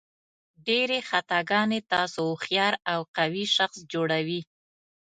ډېرې خطاګانې تاسو هوښیار او قوي شخص جوړوي.